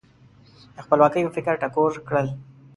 د خپلواکۍ په فکر ټکور کړل.